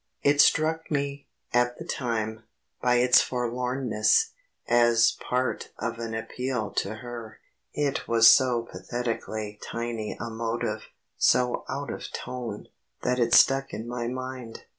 It struck me, at the time, by its forlornness, as part of an appeal to her. It was so pathetically tiny a motive, so out of tone, that it stuck in my mind.